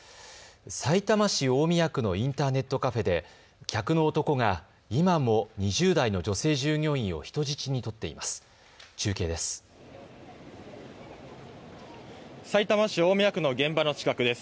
さいたま市大宮区のインターネットカフェで客の男が今も２０代の女性従業員を人質に取っています。